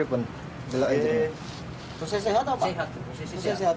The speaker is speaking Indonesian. kondisi ini pas ditarik tidak tambah